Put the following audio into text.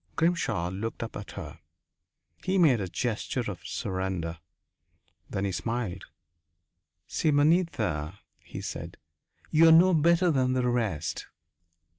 Grimshaw looked up at her. He made a gesture of surrender. Then he smiled. "Simonetta," he said, "you are no better than the rest."